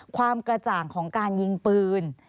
ความกระจ่างของการยิงปืน